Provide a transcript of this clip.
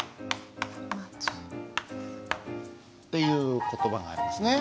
っていう言葉がありますね。